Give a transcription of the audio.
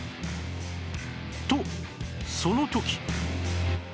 とその時